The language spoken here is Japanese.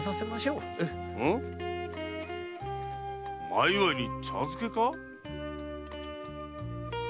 前祝いに茶漬けか？